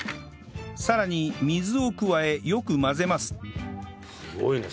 さらに水を加えよく混ぜます